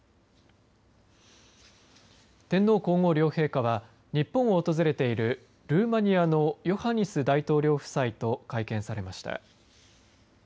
天皇皇后両陛下は日本を訪れているルーマニアのヨハニス大統領夫妻と会見されました。